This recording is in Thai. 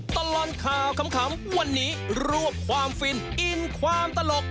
ตลอดข่าวขำวันนี้รวบความฟินอินความตลก